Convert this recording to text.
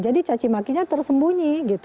jadi cacimakinya tersembunyi gitu